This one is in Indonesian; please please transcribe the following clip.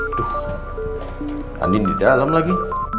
aduh angin di dalam lagi